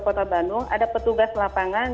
kota bandung ada petugas lapangan